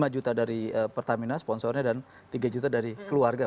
lima juta dari pertamina sponsornya dan tiga juta dari keluarga